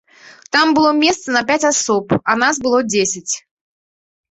Там было месца на пяць асоб, а нас было дзесяць.